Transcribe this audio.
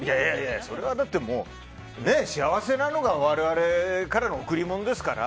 それはだって幸せなのが我々からの贈り物ですから。